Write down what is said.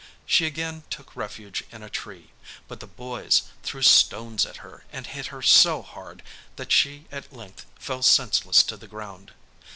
She again took refuge in a tree, but the boys threw stones at her and hit her so hard, that she at length fell senseless to the ground.